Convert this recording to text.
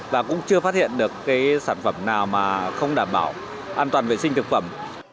và cũng chưa phát hiện được cái sản phẩm nào mà không đảm bảo an toàn vệ sinh thực phẩm